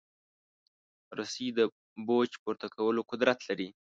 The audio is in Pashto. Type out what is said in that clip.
رسۍ د بوج پورته کولو قدرت لري.